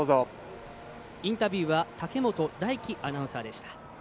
インタビューは武本大樹アナウンサーでした。